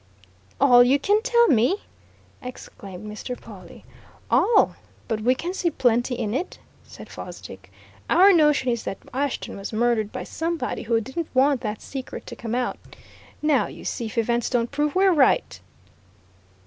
"All you can tell?" exclaimed Mr. Pawle. "All! But we can see plenty in it," said Fosdick. "Our notion is that Ashton was murdered by somebody who didn't want that secret to come out. Now, you see if events don't prove we're right."